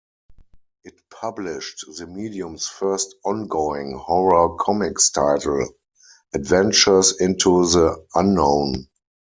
It published the medium's first ongoing horror-comics title, "Adventures into the Unknown".